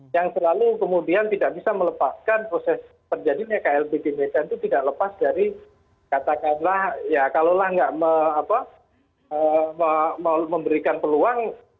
yang selalu kemudian tidak bisa melepaskan proses terjadinya klb di medan itu tidak lepas dari katakanlah ya kalaulah tidak memberikan peluang